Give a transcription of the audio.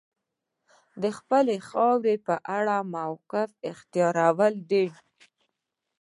د خپلې خاورې په اړه موقف اختیارول دي.